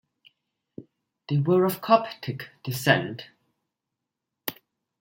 They were of Coptic descent.